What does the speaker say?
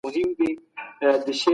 د نورو د بې عزتۍ څخه ډډه وکړئ.